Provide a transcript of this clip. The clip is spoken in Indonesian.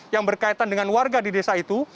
yang berkaitan dengan warga di desa itu